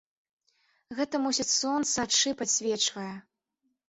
Гэта, мусіць, сонца ад шыб адсвечвае.